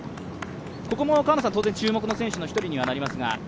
ここも河野さん、当然注目の選手の１人にはなりますが？